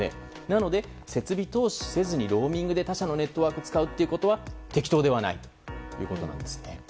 なので設備投資せずにローミングで他社のネットワークを使うことは適当ではないということですね。